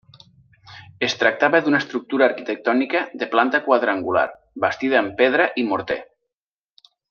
Es tractava d'una estructura arquitectònica de planta quadrangular, bastida amb pedra i morter.